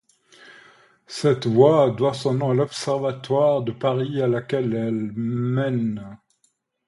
Cette voie doit son nom à l'Observatoire de Paris à laquelle elle mène.